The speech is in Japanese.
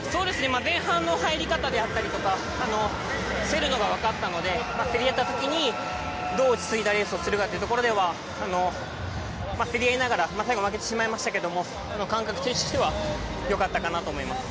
前半の入り方であったりとか競るのがわかったので競り合った時にどう落ち着いたレースをするかというところでは競り合いながら最後は負けてしまいましたけど感覚としてはよかったかなと思います。